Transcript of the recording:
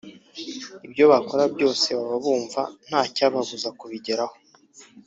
ibyo bakora byose baba bumva ntacyababuza kubigeraho